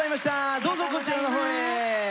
どうぞこちらの方へ。